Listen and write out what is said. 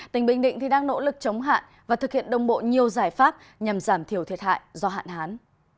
tỉnh bình định đang nỗ lực chống hạn và thực hiện đồng bộ nhiều giải pháp nhằm giảm thiểu thiệt hại do hạn hán